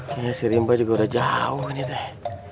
kayanya si rimba juga udah jauh nih teh